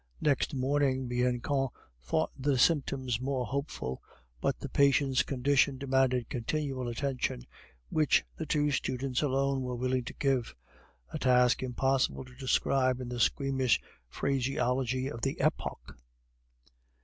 Next morning Bianchon thought the symptoms more hopeful, but the patient's condition demanded continual attention, which the two students alone were willing to give a task impossible to describe in the squeamish phraseology of the epoch.